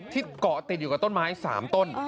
เกาะติดอยู่กับต้นไม้๓ต้น